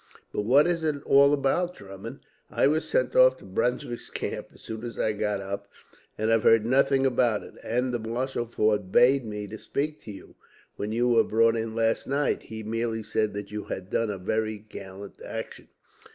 "But what is it all about, Drummond? I was sent off to Brunswick's camp, as soon as I got up, and have heard nothing about it; and the marshal forbade me to speak to you, when you were brought in last night. He merely said that you had done a very gallant action."